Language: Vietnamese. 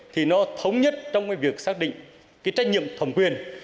thì nó thống nhất trong cái việc xác định cái trách nhiệm thẩm quyền